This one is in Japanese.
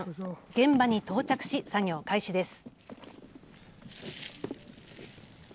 現場に到着し、作業開始です。